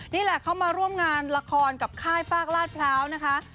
นี่แหละเข้ามาร่วมงานละครกับค่ายฟากลาดพร้าวนะคะ